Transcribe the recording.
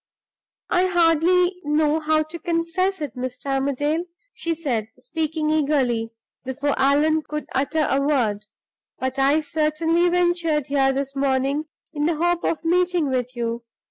"I hardly know how to confess it, Mr. Armadale," she said, speaking eagerly, before Allan could utter a word, "but I certainly ventured here this morning in the hope of meeting with you.